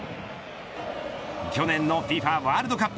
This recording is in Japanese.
去年のＦＩＦＡワールドカップ。